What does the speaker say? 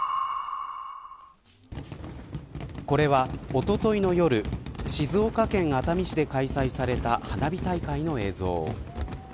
これは、おとといの夜静岡県熱海市で開催された花火大会の映像。